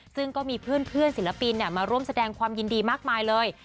ซึ่งก็มีเพื่อนศิลปินมาร่วมแสดงความยินดีมากมายเลย